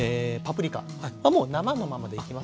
もう生のままでいきます。